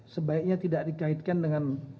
sebaiknya tidak dikaitkan dengan